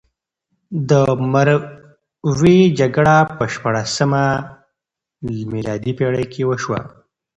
د مروې جګړه په شپاړلسمه میلادي پېړۍ کې وشوه.